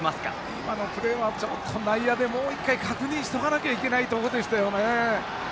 今のプレーは内野でもう１回確認しておかなきゃいけないところでしたね。